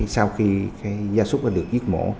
sau khi gia súc được giết mổ